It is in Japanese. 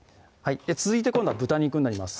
続いて今度は豚肉になります